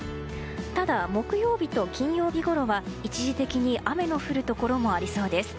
ただ、木曜日と金曜日ごろは一時的に雨の降るところもありそうです。